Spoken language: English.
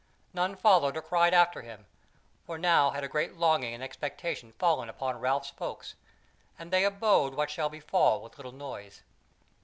None followed or cried after him; for now had a great longing and expectation fallen upon Ralph's folk, and they abode what shall befall with little noise.